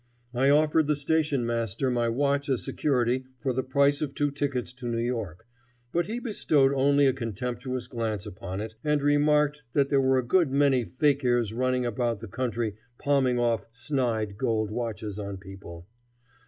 I offered the station master my watch as security for the price of two tickets to New York, but he bestowed only a contemptuous glance upon it and remarked that there were a good many fakirs running about the country palming off "snide" gold watches on people.